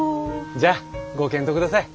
じゃあご検討下さい。